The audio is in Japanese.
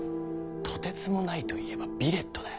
とてつもないと言えばヴィレットだ。